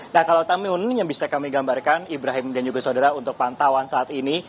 nah kalau tamu yang bisa kami gambarkan ibrahim dan juga saudara untuk pantauan saat ini